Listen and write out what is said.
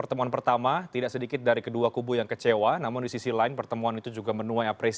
terima kasih sudah hadir bang di prime news